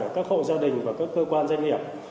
các hộ gia đình và các cơ quan doanh nghiệp